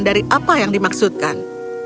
dari apa yang dimaksudkan